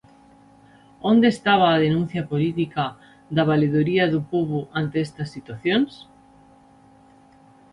¿Onde estaba a denuncia política da Valedoría do Pobo ante estas situacións?